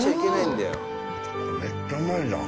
めっちゃうまいじゃん。